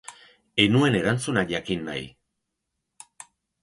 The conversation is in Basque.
Ez nuen erantzuna jakin nahi.